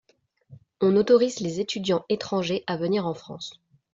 On autorise les étudiants étrangers à venir en France.